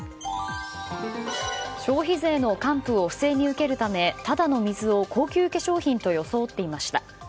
消費税の還付を不正に受けるためただの水を高級化粧品と装っていました。